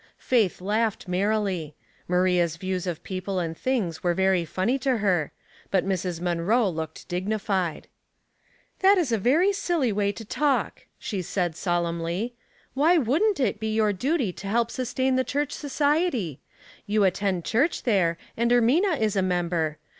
Faith laughed merril}. Maria's views of people and things were very funny to her, but Mrs. Munroe looked dignified. '* That is a very silly way to talk," she said, solemnly. *'Why ivouldrit it be your duty to help sustain the church society ? You attend church there, and Ermina is a member.